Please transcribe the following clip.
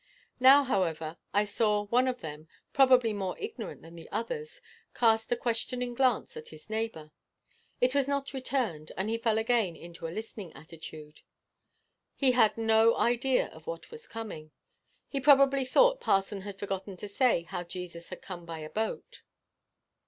Now, however, I saw one of them, probably more ignorant than the others, cast a questioning glance at his neighbour. It was not returned, and he fell again into a listening attitude. He had no idea of what was coming. He probably thought parson had forgotten to say how Jesus had come by a boat.